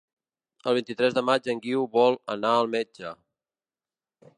El vint-i-tres de maig en Guiu vol anar al metge.